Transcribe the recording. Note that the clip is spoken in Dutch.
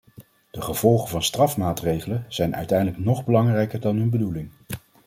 De gevolgen van strafmaatregelen zijn uiteindelijk nog belangrijker dan hun bedoeling.